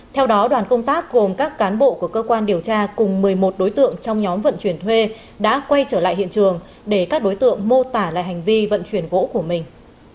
theo đó đoàn công tác gồm các cán bộ của cơ quan điều tra cùng một mươi một đối tượng trong nhóm vận chuyển thuê đã quay trở lại hiện trường để các đối tượng mô tả lại hành vi vận chuyển gỗ của mình